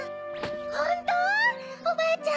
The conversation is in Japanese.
ホント⁉おばあちゃん！